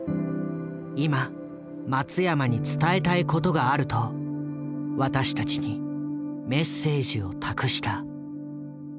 今松山に伝えたいことがあると私たちにメッセージを託した。